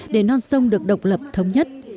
để non sông được độc lập thống nhất